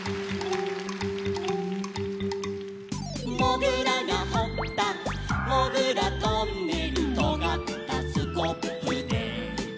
「もぐらがほったもぐらトンネル」「とがったスコップで」